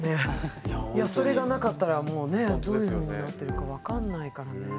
それがなかったらもうねどういうふうになってるかわかんないからね。